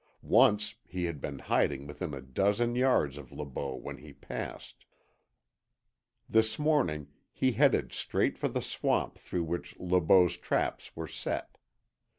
Once he had been hiding within a dozen yards of Le Beau when he passed. This morning he headed straight for the swamp through which Le Beau's traps were set.